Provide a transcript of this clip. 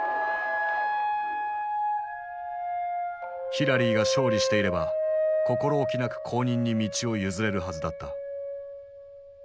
ヒラリーが勝利していれば心おきなく後任に道を譲れるはずだった。